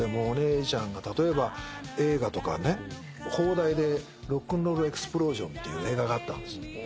お姉ちゃんが例えば映画とかね邦題で『ロックンロールエクスプロージョン』っていう映画があったんです。